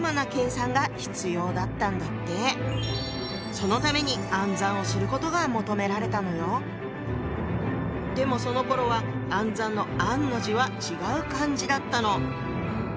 そのためにでもそのころは暗算の「暗」の字は違う漢字だったの。